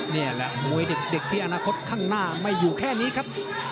นี่แหละมวยเด็กที่อนาคตข้างหน้าไม่อยู่แค่นี้ครับ